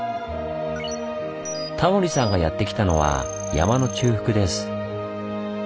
タモリさんがやって来たのは山の中腹です。